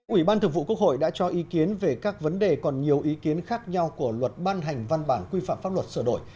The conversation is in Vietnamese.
ủy ban thường vụ quốc hội đã cho ý kiến về các vấn đề còn nhiều ý kiến khác nhau của luật ban hành văn bản quy phạm pháp luật sửa đổi